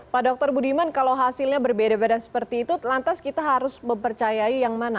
pak dr budiman kalau hasilnya berbeda beda seperti itu lantas kita harus mempercayai yang mana